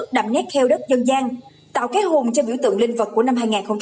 đậm nét heo đất dân gian tạo cái hồn cho biểu tượng linh vật của năm hai nghìn một mươi chín